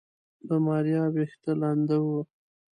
د ماريا ويښته لنده وه.